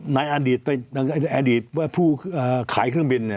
ในอดีตในอดีตว่าผู้ขายเครื่องบิน